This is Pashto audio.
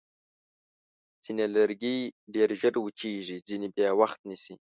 ځینې لرګي ډېر ژر وچېږي، ځینې بیا وخت نیسي.